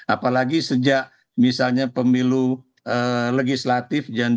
apalagi sejak misalnya pemilu legislatif